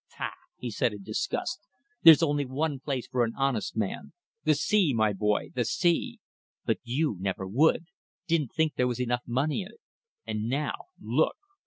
Pah!" he said, in disgust, "there's only one place for an honest man. The sea, my boy, the sea! But you never would; didn't think there was enough money in it; and now look!"